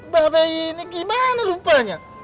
bapak ini gimana rupanya